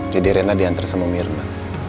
jadi rena diantar sama mirna